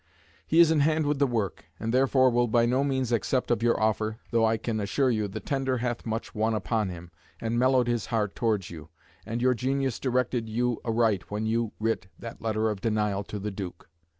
He is in hand with the work, and therefore will by no means accept of your offer, though I can assure you the tender hath much won upon him, and mellowed his heart towards you, and your genius directed you aright when you writ that letter of denial to the Duke.